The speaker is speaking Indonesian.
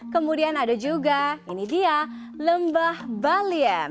kemudian ada juga ini dia lembah baliem